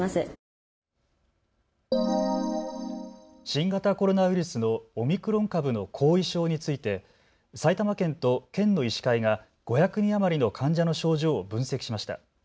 新型コロナウイルスのオミクロン株の後遺症について埼玉県と県の医師会が５００人余りの患者の症状を分析しました。